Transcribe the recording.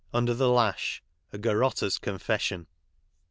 UNDER THE LASH : A GARROTTER'S CONFESSION.